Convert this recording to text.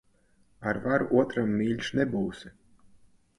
Ar varu otram mīļš nebūsi.